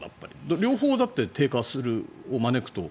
両方、低下を招くと。